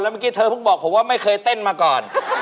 เมื่อกี้เธอเพิ่งบอกผมว่าไม่เคยเต้นมาก่อน